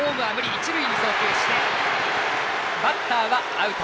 一塁に送球してバッターはアウト。